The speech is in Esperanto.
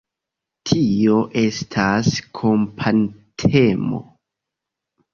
Tio estas kompatemo.